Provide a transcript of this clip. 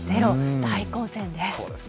０、大混戦です。